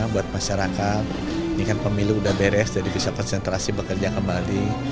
buat masyarakat ini kan pemilu udah beres jadi bisa konsentrasi bekerja kembali